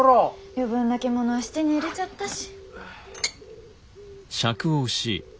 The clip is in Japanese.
余分な着物は質に入れちゃったし。